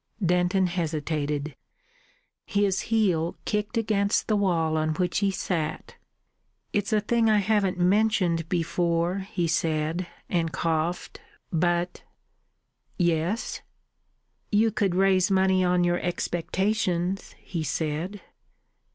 Denton hesitated. His heel kicked against the wall on which he sat. "It's a thing I haven't mentioned before," he said, and coughed; "but ..." "Yes?" "You could raise money on your expectations," he said.